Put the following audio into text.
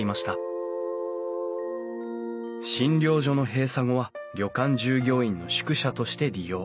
診療所の閉鎖後は旅館従業員の宿舎として利用。